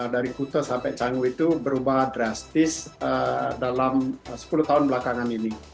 dari kuto sampai canggu itu berubah drastis dalam sepuluh tahun belakangan ini